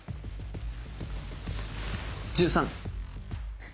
１３！